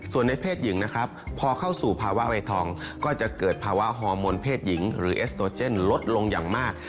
ส่วนในเพศหญิงนะครับพอเข้าสู่ภาวะวัยทองก็จะเกิดภาวะฮอร์โมนเพศหญิงหรือเอสโตเจนลดลงอย่างมาก